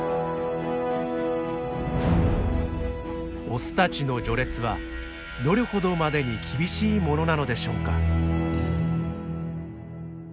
オスたちの序列はどれほどまでに厳しいものなのでしょうか？